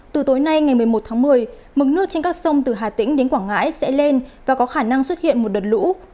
từ tối nay ngày một mươi một tháng một mươi mực nước trên các sông từ hà tĩnh đến quảng ngãi sẽ lên và có khả năng xuất hiện một đợt lũ